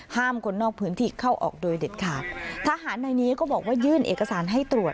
คนนอกพื้นที่เข้าออกโดยเด็ดขาดทหารในนี้ก็บอกว่ายื่นเอกสารให้ตรวจ